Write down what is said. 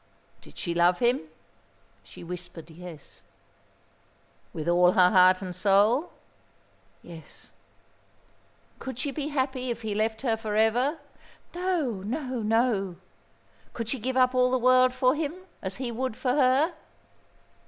Did she love him? She whispered yes. With all her heart and soul? Yes. Could she be happy if he left her for ever? No, no, no. Could she give up all the world for him, as he would for her?